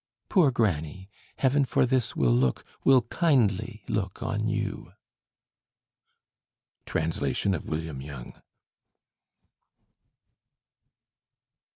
"Poor granny! Heaven for this will look Will kindly look on you." Translation of William Young.